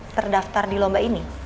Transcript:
terdaftar di lomba ini